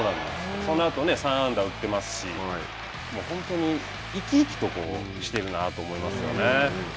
そのあとで３安打を打ってますし本当に生き生きとしてるなと思いますよね。